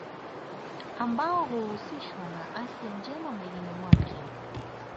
Ambao huhusishwa na afya njema mwilini mwake